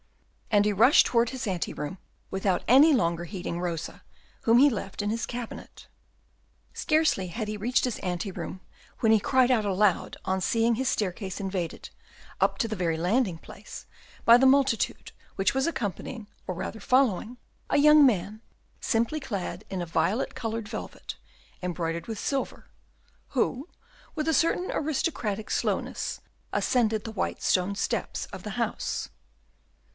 And he rushed towards his anteroom, without any longer heeding Rosa, whom he left in his cabinet. Scarcely had he reached his anteroom when he cried out aloud on seeing his staircase invaded, up to the very landing place, by the multitude, which was accompanying, or rather following, a young man, simply clad in a violet coloured velvet, embroidered with silver; who, with a certain aristocratic slowness, ascended the white stone steps of the house.